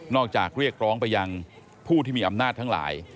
จากเรียกร้องไปยังผู้ที่มีอำนาจทั้งหลาย